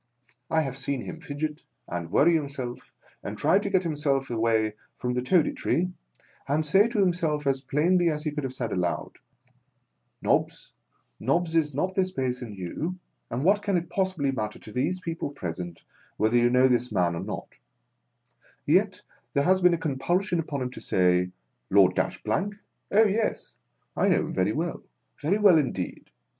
I have seen him fidget, and worry himself, and try to get himself away from the Toady Tree, and say to himself as plainly as he could have said aloud, " Nobbs, Nobbs, is not this base in you, and what can it possibly matter to these people present, whether you know this man, or not 1 " Yet, thei'e has been a compulsion upon him to say, " Lord Dash Blank ? Oh, yes ! I know him very well ; very well, indeed.